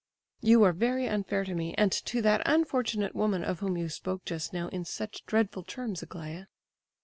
"You are very unfair to me, and to that unfortunate woman of whom you spoke just now in such dreadful terms, Aglaya."